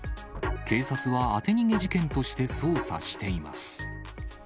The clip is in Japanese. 警察は当て逃げ事件として捜査しています。